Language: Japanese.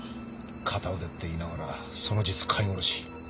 片腕っていいながらその実飼い殺し。